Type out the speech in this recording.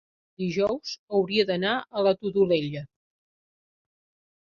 Dijous hauria d'anar a la Todolella.